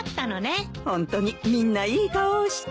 ホントにみんないい顔をして。